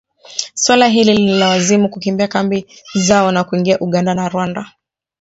Suala hili liliwalazimu kukimbia kambi zao na kuingia Uganda na Rwanda